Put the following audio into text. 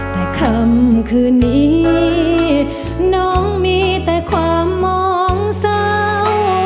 แต่คำคืนนี้น้องมีแต่ความมองเศร้า